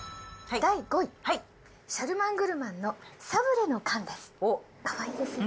第５位、シャルマン・グルマンのサブレの缶です。